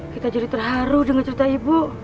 kita jadi terharu dengan cerita ibu